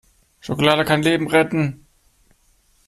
Schokolade kann Leben retten!